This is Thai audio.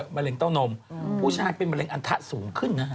มะเร็งเต้านมผู้ชายเป็นมะเร็อันทะสูงขึ้นนะฮะ